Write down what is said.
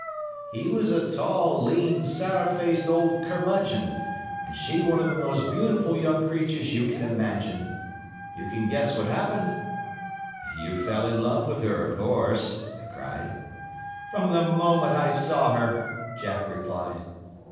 He was a tall, lean, sour faced old curmudgeon, and she one of the most beautiful young creatures you can imagine. You can guess what happened?' "'You fell in love with her, of course,' I cried. "'From the moment I saw her,' Jack replied.